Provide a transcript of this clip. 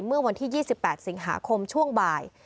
เมื่อวันที่๒๘สิงหาคมช่วงบ่าย